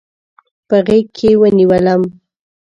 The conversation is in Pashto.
په غیږکې ونیولم